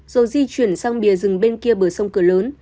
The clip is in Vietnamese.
rồi di chuyển sang bìa rừng bên kia bờ sông cửa lớn